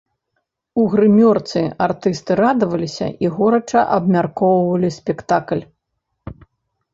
У грымёрцы артысты радаваліся і горача абмяркоўвалі спектакль.